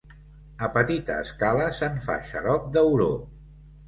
A petita escala se'n fa xarop d'auró.